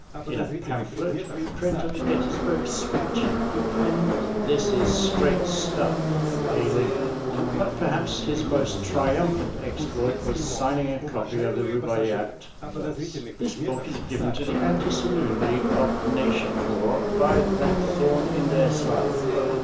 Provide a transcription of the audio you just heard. In a pamphlet reprint of the Gettysburg Speech he penned "This is straight stuff, A. Lincoln." But perhaps his most triumphant exploit was signing a copy of the Rubaiyat thus: "This book is given to the Anti Saloon League of Naishapur by that thorn in their side, O.